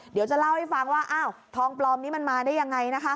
เดี๋ยวจะเล่าให้ฟังว่าอ้าวทองปลอมนี้มันมาได้ยังไงนะคะ